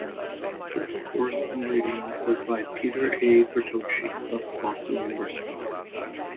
The first course on radio was by Peter A. Bertocci of Boston University.